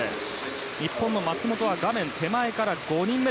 日本の松元は画面手前から５人目。